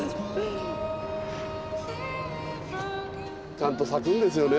ちゃんと咲くんですよね